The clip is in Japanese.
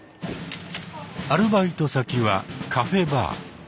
アルバイト先はカフェバー。